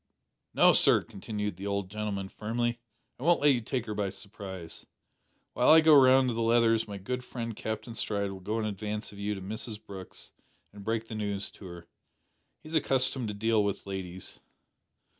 "No, sir," continued the old gentleman firmly, "I won't let you take her by surprise. While I go round to the Leathers my good friend Captain Stride will go in advance of you to Mrs Brooke's and break the news to her. He is accustomed to deal with ladies."